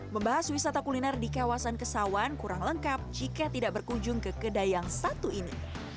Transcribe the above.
membahas wisata kuliner di kawasan kesawan kurang lengkap jika tidak berkunjung ke kedai yang satu ini